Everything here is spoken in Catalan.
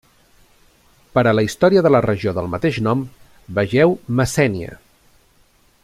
Per a la història de la regió del mateix nom, vegeu Messènia.